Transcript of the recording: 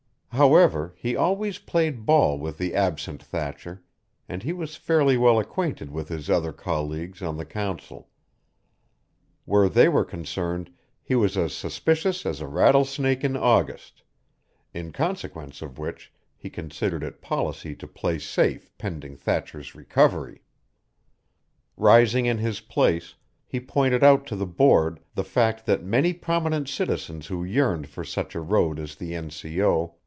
However, he always played ball with the absent Thatcher and he was fairly well acquainted with his other colleagues on the council; where they were concerned he was as suspicious as a rattlesnake in August in consequence of which he considered it policy to play safe pending Thatcher's recovery. Rising in his place, he pointed out to the board the fact that many prominent citizens who yearned for such a road as the N. C. O.